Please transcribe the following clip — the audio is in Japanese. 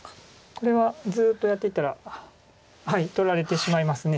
これはずっとやっていったら取られてしまいます。